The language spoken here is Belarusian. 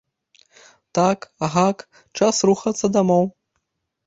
Так, гак, час рухацца дамоў!